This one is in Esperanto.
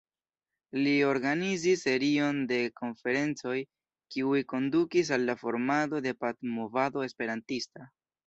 Li organizis serion de konferencoj kiuj kondukis al la formado de pac-movado esperantista.